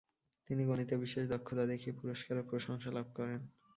তিনি গণিতে বিশেষ দক্ষতা দেখিয়ে পুরস্কার ও প্রশংসা লাভ করেন।